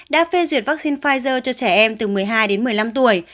đã phê duyệt vắc xin pfizer cho trẻ em từ một mươi hai đến một mươi năm tuổi